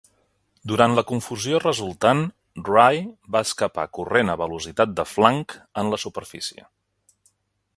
Durant la confusió resultant, Ray va escapar corrent a velocitat de flanc en la superfície.